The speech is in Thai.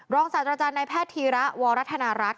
รองสาตรราศาสน์ในแพทย์ธีระวรรธนารัฐ